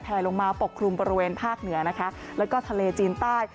ลงมาปกคลุมบริเวณภาคเหนือนะคะแล้วก็ทะเลจีนใต้